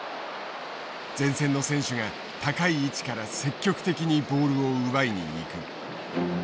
前線の選手が高い位置から積極的にボールを奪いに行く。